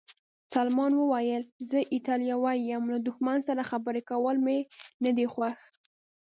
سلمان وویل: زه ایټالوی یم، له دښمن سره خبرې کول مې نه دي خوښ.